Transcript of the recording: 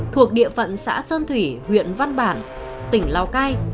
thuộc địa phận xã sơn thủy huyện văn bản tỉnh lào cai